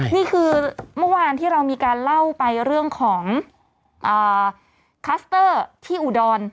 นี่คือเมื่อวานที่เรามีการเล่าไปเรื่องของคลัสเตอร์ที่อุดร